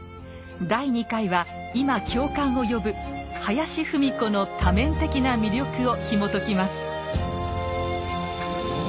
第２回は今共感を呼ぶ林芙美子の多面的な魅力をひもときます。